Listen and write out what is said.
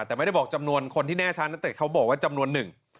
แต่ไม่ได้บอกจำนวนคนที่แน่ชัดตั้งแต่เขาบอกว่าจำนวนหนึ่ง